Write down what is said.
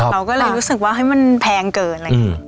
เราก็เลยรู้สึกว่าเฮ้ยมันแพงเกินอะไรอย่างนี้